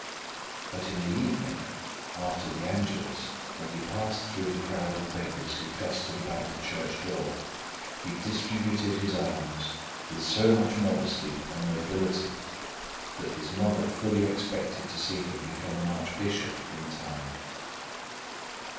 But in the evening, after the Angelus, when he passed through the crowd of beggars who clustered about the church door, he distributed his alms with so much modesty and nobility that his mother fully expected to see him become an archbishop in time.